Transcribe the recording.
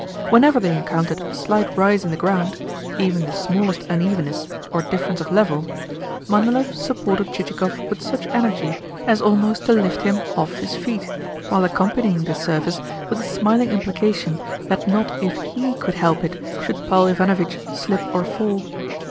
Whenever they encountered a slight rise in the ground even the smallest unevenness or difference of level Manilov supported Chichikov with such energy as almost to lift him off his feet, while accompanying the service with a smiling implication that not if HE could help it should Paul Ivanovitch slip or fall.